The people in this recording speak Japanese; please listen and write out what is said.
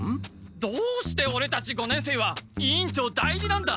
どうしてオレたち五年生は委員長代理なんだ。